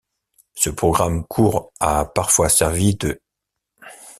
Ce programme court a parfois servi d'.